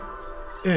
ええ。